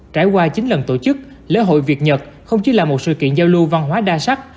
trải qua chín lần tổ chức lễ hội việt nhật không chỉ là một sự kiện giao lưu văn hóa đa sắc